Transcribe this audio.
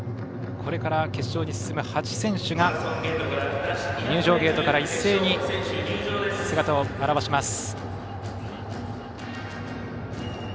これから、決勝に進む８選手が入場ゲートから一斉に姿を現します。